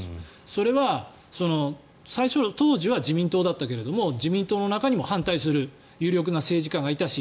それは、最初当時は自民党だったけども自民党の中にも反対する有力な政治家がいたし